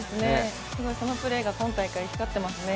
そのプレーが今大会、光っていますね。